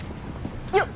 よっ。